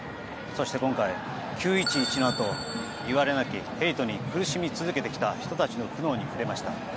そして今回９・１１のあと言われなきヘイトに苦しみ続けてきた人たちの苦悩に触れました。